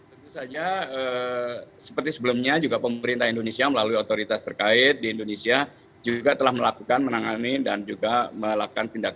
tentu saja seperti sebelumnya juga pemerintah indonesia melalui otoritas terkait di indonesia juga telah melakukan menangani dan juga melakukan tindakan